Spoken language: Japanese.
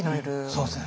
そうですよね。